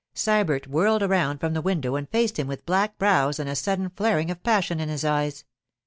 Sybert whirled around from the window and faced him with black brows and a sudden flaring of passion in his eyes.